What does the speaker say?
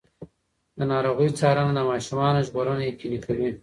د ناروغۍ څارنه د ماشومانو ژغورنه یقیني کوي.